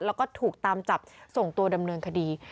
แล้วก็ถูกตามจับส่งตัวดำเนินคดี